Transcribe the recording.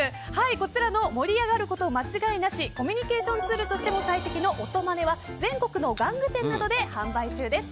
こちらの盛り上がること間違いなしコミュニケーションのツールとしても最適のオトマネは全国の玩具店などで販売中です。